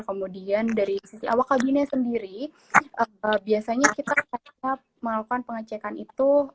kemudian dari sisi awal kabinnya sendiri biasanya kita mengalami pengacekan itu